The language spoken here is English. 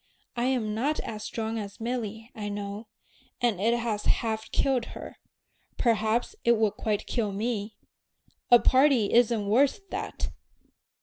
I'm not as strong as Milly, I know, and it has half killed her; perhaps it would quite kill me. A party isn't worth that!"